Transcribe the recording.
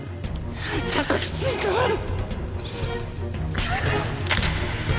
高くついたな。